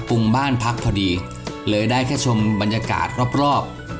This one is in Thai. งบ้านพักพอดีเลยได้แค่ชมบรรยากาศรอบ